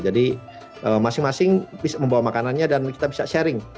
masing masing bisa membawa makanannya dan kita bisa sharing